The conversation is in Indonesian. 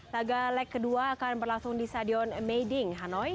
laga leg kedua akan berlangsung di stadion maiding hanoi